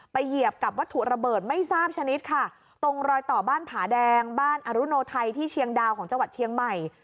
เหยียบกับวัตถุระเบิดไม่ทราบชนิดค่ะตรงรอยต่อบ้านผาแดงบ้านอรุโนไทยที่เชียงดาวของจังหวัดเชียงใหม่